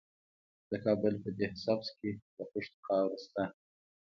د کابل په ده سبز کې د خښتو خاوره شته.